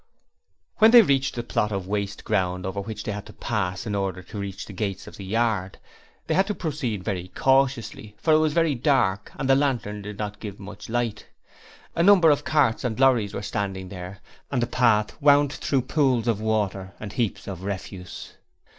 When they reached the plot of waste ground over which they had to pass in order to reach the gates of the yard, they had to proceed very cautiously, for it was very dark, and the lantern did not give much light. A number of carts and lorries were standing there, and the path wound through pools of water and heaps of refuse.